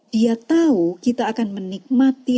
dia tahu kita akan menikmati